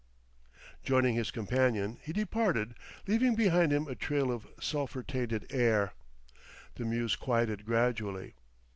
Joining his companion he departed, leaving behind him a trail of sulphur tainted air. The mews quieted gradually.